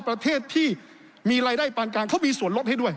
ประเทศที่มีรายได้ปานกลางเขามีส่วนลดให้ด้วย